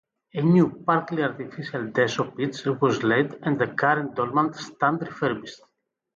A new partly-artificial Desso pitch was laid and the current Dolman stand refurbished.